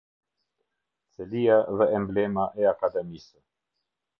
Selia dhe emblema e Akademisë.